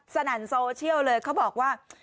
นั่นโซเชียลเลยเขาบอกว่า